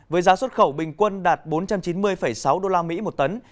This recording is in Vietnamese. với giá xuất khẩu bình quân đạt bốn trăm chín mươi sáu usd một tấn